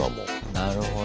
なるほど。